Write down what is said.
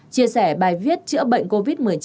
chia sẻ bài viết chữa bệnh covid một mươi chín